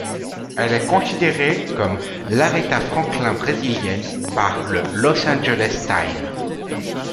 Elle est considérée comme l'Aretha Franklin brésilienne par le Los Angeles Times.